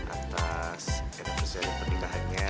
atas edisi pernikahannya